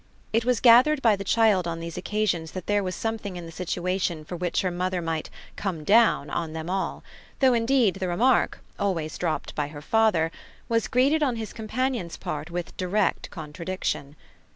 It was gathered by the child on these occasions that there was something in the situation for which her mother might "come down" on them all, though indeed the remark, always dropped by her father, was greeted on his companion's part with direct contradiction.